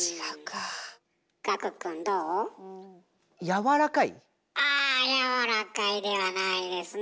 あ「やわらかい」ではないですね。